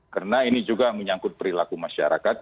karena ini juga menyangkut perilaku masyarakat